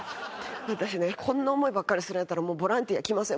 私ねこんな思いばっかりするんやったらもうボランティア来ません。